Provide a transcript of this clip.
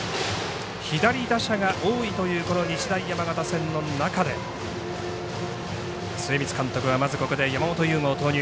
左打者が多いという日大山形戦の中で末光監督は、まずここで山本由吾を投入。